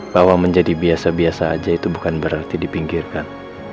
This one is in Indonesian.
bahwa menjadi biasa biasa aja itu bukan berarti dipinggirkan